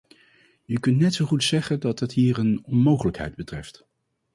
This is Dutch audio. Je kunt net zo goed zeggen dat het hier een onmogelijkheid betreft.